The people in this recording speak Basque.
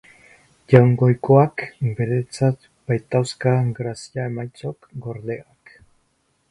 Jaungoikoak beretzat baitauzka grazia-emaitzok gordeak.